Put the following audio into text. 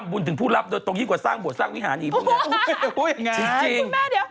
คุณมิ้นบอกว่าเขาก็มาบ่น